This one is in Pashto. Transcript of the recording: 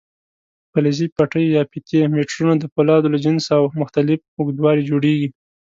فلزي پټۍ یا فیتې میټرونه د فولادو له جنسه او مختلف اوږدوالي جوړېږي.